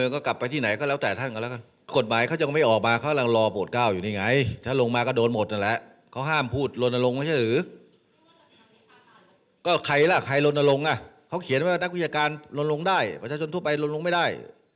ก็ใครล่ะใครลนลงอ่ะเขาเขียนว่านักวิชาการลนลงได้ประชาชนทั่วไปลนลงไม่ได้